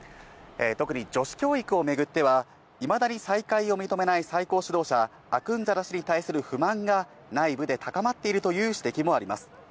特に女子教育を巡っては、いまだに再開を認めない最高指導者、アクンザダ師に対する不満が内部で高まっているという指摘もあります。